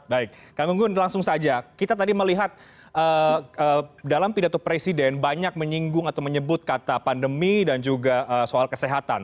baik kang gunggun langsung saja kita tadi melihat dalam pidato presiden banyak menyinggung atau menyebut kata pandemi dan juga soal kesehatan